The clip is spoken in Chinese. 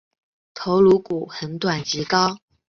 头颅骨很短及高。